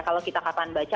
kalau kita kapan baca